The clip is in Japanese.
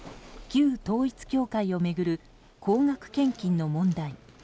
旧統一教会を巡る高額献金の問題。